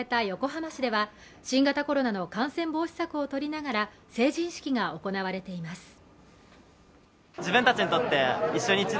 横浜市では新型コロナの感染防止策をとりながら成人式が行われています